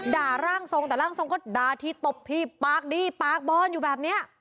ร่างทรงแต่ร่างทรงก็ด่าทีตบพี่ปากดีปากบอนอยู่แบบเนี้ย